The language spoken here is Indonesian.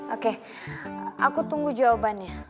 oke aku tunggu jawabannya